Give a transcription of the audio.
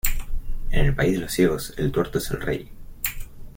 En el país de los ciegos el tuerto es el rey.